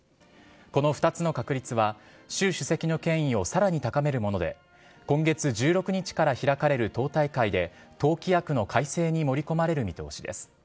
この２つの確立は習主席の権威をさらに高めるもので今月１６日から開かれる党大会で党規約の改正に盛り込まれる見通しです。